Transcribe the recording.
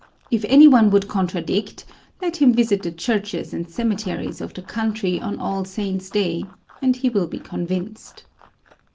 If any one would contradict let him visit the churches and cemeteries of the country on All Saints' day and he will be convinced.